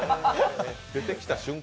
出てきた瞬間